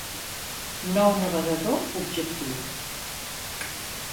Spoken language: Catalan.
Nou navegador objectiu.